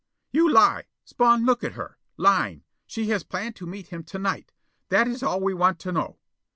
"You lie! Spawn look at her! Lying! She has planned to meet him to night! That is all we want to know."